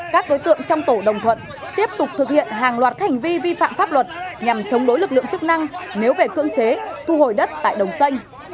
các đối tượng trong tổ đồng thuận tiếp tục thực hiện hàng loạt hành vi vi phạm pháp luật nhằm chống đối lực lượng chức năng nếu về cưỡng chế thu hồi đất tại đồng xanh